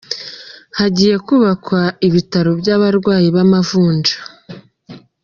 Hagiye kubakwa ibitaro by’abarwayi b’amavunja